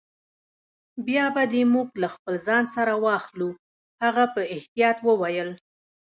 بیا به دي موږ له خپل ځان سره واخلو. هغه په احتیاط وویل.